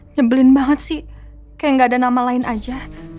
nyebelin banget sih kayak gak ada nama lain aja